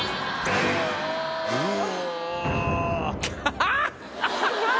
うわ。